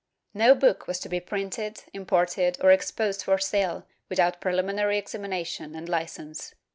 No book was to be printed, imported or exposed for sale without preUminary examination and hcence.